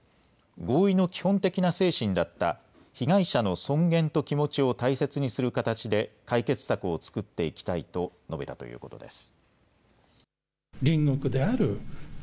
合意の基本的な精神だった被害者の尊厳と気持ちを大切にする形で解決策を作っていきたいと述べたということです。